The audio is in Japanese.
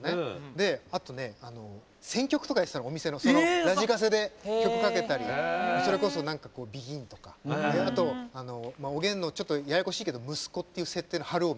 であとね選曲とかやってたのお店のラジカセで曲かけたりそれこそＢＥＧＩＮとかあとおげんのちょっとややこしいけど息子っていう設定の晴臣ね。